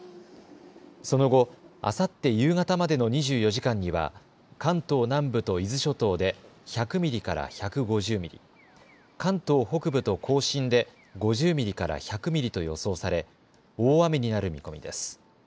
その後、あさって夕方までの２４時間には関東南部と伊豆諸島で１００ミリから１５０ミリ、関東北部と甲信で５０ミリから１００ミリと予想され大雨になる見込みです。